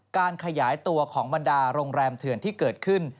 การขยายตัวของบรรดาโรงแรมเถื่อนที่เกิดขึ้น